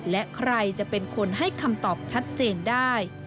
และใครจะเป็นคนให้คำตอบชัดเจนได้